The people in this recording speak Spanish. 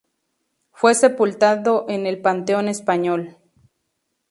Fue sepultado en el Panteón Español.